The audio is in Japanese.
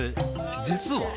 実は